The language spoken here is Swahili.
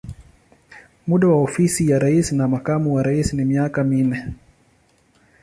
Muda wa ofisi ya rais na makamu wa rais ni miaka minne.